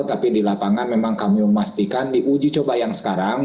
tapi di lapangan memang kami memastikan di uji coba yang sekarang